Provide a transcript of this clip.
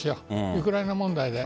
ウクライナ問題で。